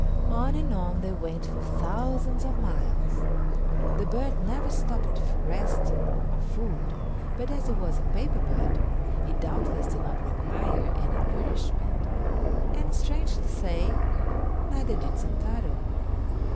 On and on they went for thousands of miles. The bird never stopped for rest or food, but as it was a paper bird it doubtless did not require any nourishment, and strange to say, neither did Sentaro.